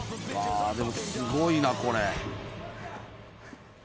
でも、すごいな、これ。